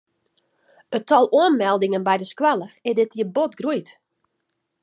It tal oanmeldingen by de skoalle is dit jier bot groeid.